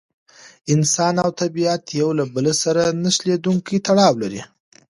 انسان او طبیعت یو له بل سره نه شلېدونکی تړاو لري.